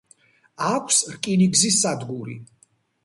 აქვს რკინიგზის სადგური.